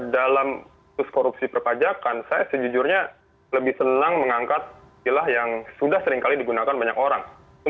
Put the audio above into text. dalam kasus korupsi perpajakan saya sejujurnya lebih senang mengangkat kilah yang sudah seringkali digunakan banyak orang